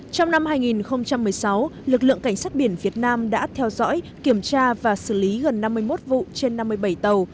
trong năm hai nghìn một mươi sáu lực lượng cảnh sát biển việt nam đã theo dõi kiểm tra và xử lý gần năm mươi một vụ trên năm mươi bảy tàu